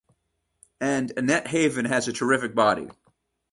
And Annette Haven has a terrific body.